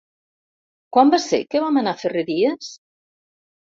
Quan va ser que vam anar a Ferreries?